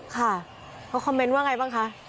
ค่ะเขาคอมเมนต์ว่าไงบ้างคะ